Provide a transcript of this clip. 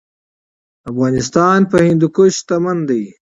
افغانستان په هندوکش غني دی.